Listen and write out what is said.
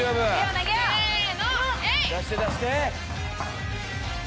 出して出して！